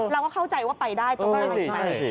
เราก็เข้าใจว่าไปได้ตรงนั้นไปได้